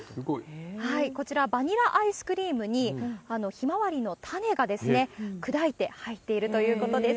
こちら、バニラアイスクリームにヒマワリの種が砕いて入っているということです。